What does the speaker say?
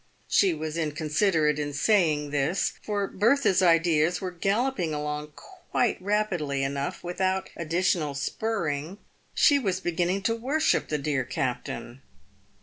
She was inconsiderate in saying this, for Bertha's ideas were gallop ing along quite rapidly enough without additional spurring. She was beginning to worship the dear captain.